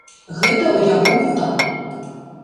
Гэта ў яго ў тату.